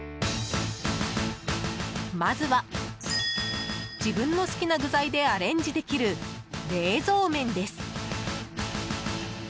まずは、自分の好きな具材でアレンジできる冷蔵麺です。